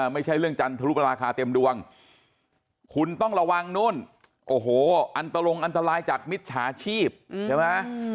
ไม่ใช่เรื่องจันทรุปราคาเต็มดวงคุณต้องระวังนู่นโอ้โหอันตลงอันตรายจากมิจฉาชีพใช่ไหม